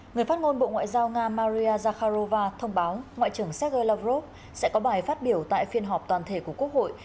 người phát ngôn bộ ngoại giao nga maria zakharova thông báo ngoại trưởng sergei lavrov sẽ có bài phát biểu tại phiên họp toàn thể của quốc hội